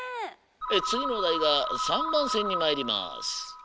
つぎのおだいが３ばんせんにまいります。